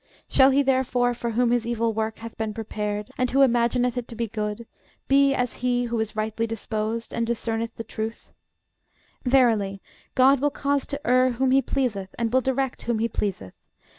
Shall he therefore for whom his evil work hath been prepared, and who imagineth it to be good, be as he who is rightly disposed, and discerneth the truth? Verily GOD will cause to err whom he pleaseth, and will direct whom he pleaseth.